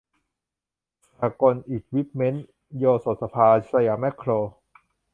สหกลอิควิปเมนท์ โอสถสภา สยามแม็คโคร